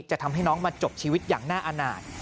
จะทำให้น้องมาจบชีวิตอย่างน่าอาณาจ